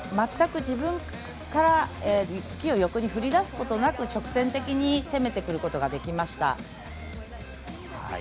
全く自分からスキーを横に振り出すことなく直線的に攻めることができました。